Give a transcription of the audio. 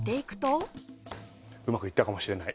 うまくいったかもしれない。